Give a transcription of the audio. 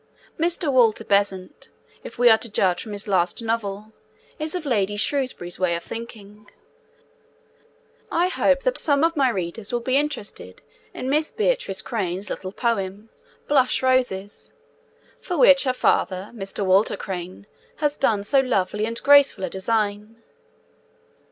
Mr. Walter Besant, if we are to judge from his last novel, is of Lady Shrewsbury's way of thinking. I hope that some of my readers will be interested in Miss Beatrice Crane's little poem, Blush Roses, for which her father, Mr. Walter Crane, has done so lovely and graceful a design.